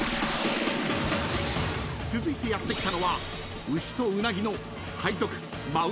［続いてやって来たのは］